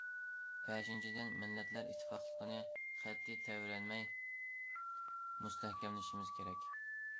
بەشىنچىدىن، مىللەتلەر ئىتتىپاقلىقىنى قەتئىي تەۋرەنمەي مۇستەھكەملىشىمىز كېرەك.